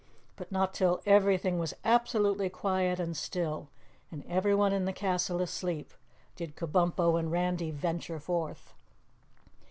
But not till everything was absolutely quiet and still and everyone in the castle asleep did Kabumpo and Randy venture forth.